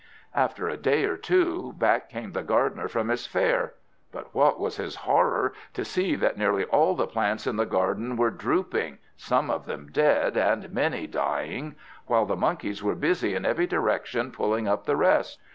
After a day or two, back came the gardener from his fair. But what was his horror to see that nearly all the plants in the garden were drooping, some of them dead and many dying, while the Monkeys were busy in every direction pulling up the rest.